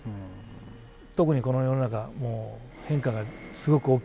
特にこの世の中もう変化がすごく大きいですから。